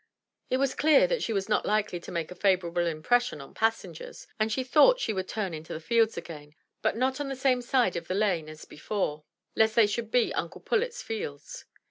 It was clear that she was not likely to make a favorable impression on passengers, and she thought she would turn into the fields again, but not on the same side of the lane as before, lest they should be Uncle Pullet's fields.